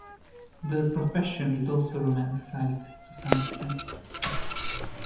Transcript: The profession is also romanticised to some extent.